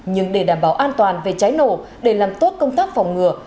nhưng để đảm bảo an toàn về cháy nổ để làm tốt công tác phòng ngừa